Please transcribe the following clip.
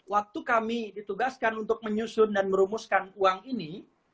waktu kami ditugaskan untuk menyusun dan merumuskan uang ini